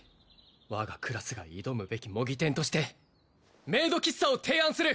我がクラスが挑むべき模擬店としてメイド喫茶を提案する！